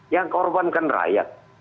yang korbankan rakyat